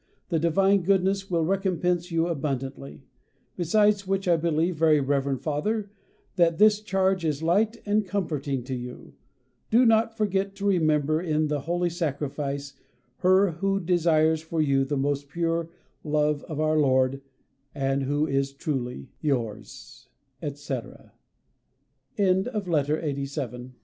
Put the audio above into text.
The divine Goodness will recompense you abundantly, besides which I believe, very Rev. Father, that this charge is light and comforting to you. Do not forget to remember in the Holy Sacrifice her who desires for you the most pure love of our Lord, and who is truly, Yours, etc. FOOTNOTE: [A] Mother Anne Marguerite Clément. LXXXVIII.